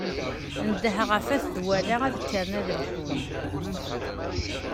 Ndeh ɣef wat Dwala ad kkren ad lḥun.